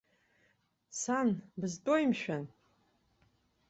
Сан, бызтәоуи, мшәан?